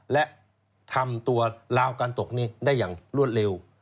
และทำตัวลาวการตกนี้ได้อย่างรวดเร็ว